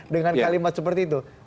dengan kalimat seperti itu